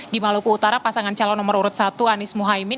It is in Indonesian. di maluku utara pasangan calon nomor urut satu anies mohaimin